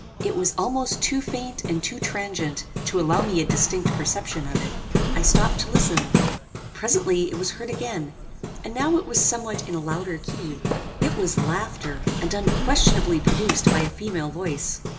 It was almost too faint and too transient to allow me a distinct perception of it. I stopped to listen; presently it was heard again, and now it was somewhat in a louder key. It was laughter; and unquestionably produced by a female voice.